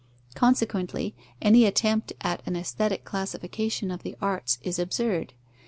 Consequently, any attempt at an aesthetic classification of the arts is absurd.